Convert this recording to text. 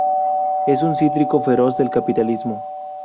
Es un crítico feroz del capitalismo.